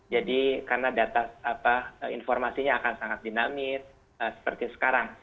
jadi karena data informasinya akan sangat dinamis seperti sekarang